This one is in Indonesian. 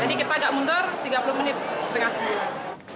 jadi kita gak mundur tiga puluh menit setengah seminggu